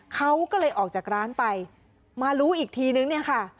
เขาก็เลยออกจากร้านไปมารู้อีกทีนึงเนี่ยค่ะ